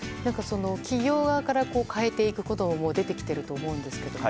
企業側から変えていくことも出てきていると思うんですけど